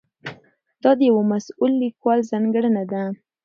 دا د یوه مسؤل لیکوال ځانګړنه ده.